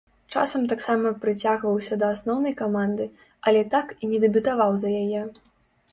Часам таксама прыцягваўся да асноўнай каманды, але так і не дэбютаваў за яе.